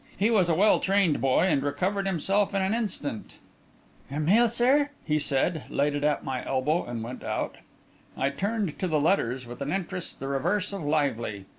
He was a well trained boy, and recovered himself in an instant. "Your mail, sir," he said, laid it at my elbow, and went out. I turned to the letters with an interest the reverse of lively.